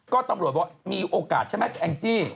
ก็ตำรวจบอกมีโอกาสใช่ไหมแองจี้